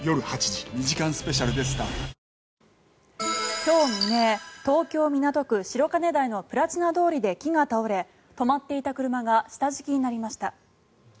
今日未明東京・港区白金台のプラチナ通りで木が倒れ止まっていた車が下敷きになりました。